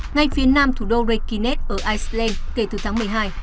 ngay phía nam thủ đô rakunets ở iceland kể từ tháng một mươi hai